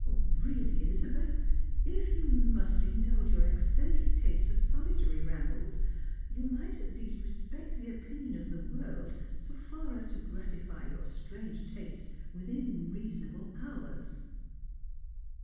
" Really, Elizabeth, if you must indulge your eccentric taste for solitary rambles, you might at least respect the opinion of the world so far as to gratify your strange taste within reasonable hours."